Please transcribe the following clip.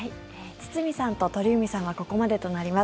堤さんと鳥海さんはここまでとなります。